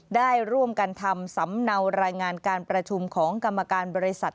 ได้ร่วมกันทำสำเนารายงานการประชุมของกรรมการบริษัท